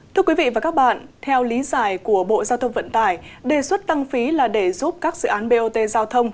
thưa quý vị và các bạn theo lý giải của bộ giao thông vận tải đề xuất tăng phí là để giúp các dự án bot giao thông